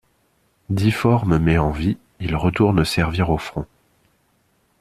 Difforme mais en vie il retourne servir au front.